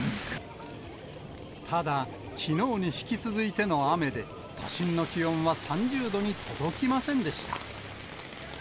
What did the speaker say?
ただ、きのうに引き続いての雨で、都心の気温は３０度に届きませんでした。